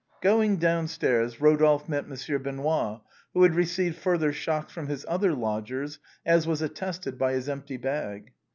Going downstairs, Eodolphe met Monsieur Benoît, who had received further shocks from his other lodgers, as was attested by his empty bag.